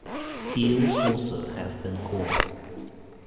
Eels also have been caught.